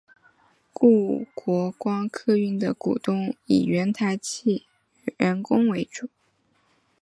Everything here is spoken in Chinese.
故国光客运的股东以原台汽员工为主。